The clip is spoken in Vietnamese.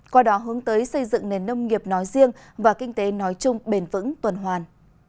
qua đó hướng tới xây dựng nền nông nghiệp nói riêng và kinh tế nói chung bền vững tuần hoàn